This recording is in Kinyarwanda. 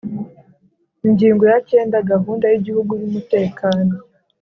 Ingingo ya cyenda Gahunda y Igihugu y Umutekano